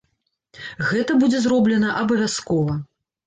Гэта будзе зроблена абавязкова.